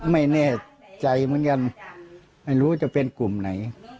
ไม่แน่ใจเหมือนกันไม่รู้จะเป็นกลุ่มไหน